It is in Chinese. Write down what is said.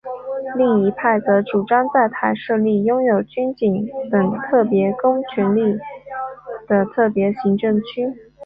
另一派则主张在台设立拥有军警等特别公权力的特别行政区。